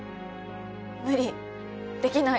「無理」「できない」